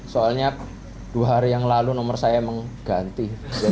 soalnya dua hari yang lalu nomor saya mengganti